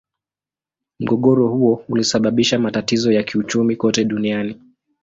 Mgogoro huo ulisababisha matatizo ya kiuchumi kote duniani.